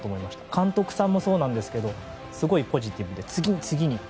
監督さんもそうなんですけどすごいポジティブで次に、次に。